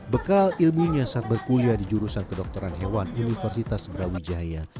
bekal ilmunya saat berkuliah di jurusan kedokteran hewan universitas brawijaya